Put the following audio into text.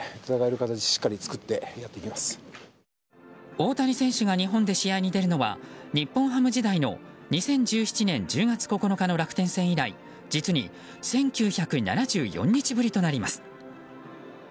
大谷選手が日本で試合に出るのは日本ハム時代の２０１７年１０月９日の楽天戦以来実に１９７４日ぶりとなります。